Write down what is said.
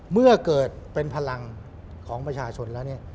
เมื่อเกิดเป็นพลังของประชาชนแล้วเนี่ย